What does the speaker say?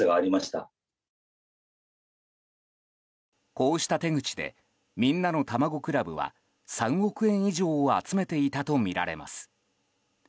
こうした手口でみんなのたまご倶楽部は３億円以上を集めていたとみられます。